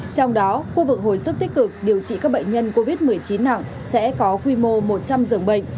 trong đó khu vực hồi sức tích cực điều trị các bệnh nhân covid một mươi chín nặng sẽ có quy mô một trăm linh giường bệnh